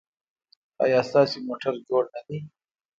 ایا ستاسو موټر جوړ نه دی؟